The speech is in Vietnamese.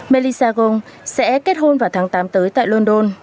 melissa gong sẽ kết hôn vào tháng tám tới tại london